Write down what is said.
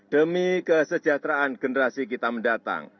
demi kesejahteraan generasi kita mendatang